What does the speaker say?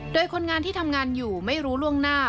โดยคนงานที่ทำงานอยู่ไม่รู้ล่วงหน้า